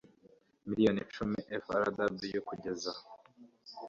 miliyoni icumi FRW kugeza